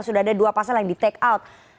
sudah ada dua pasal yang di take out